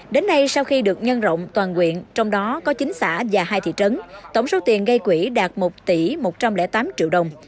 đến nay sau khi được nhân rộng toàn quyện trong đó có chín xã và hai thị trấn tổng số tiền gây quỹ đạt một tỷ một trăm linh tám triệu đồng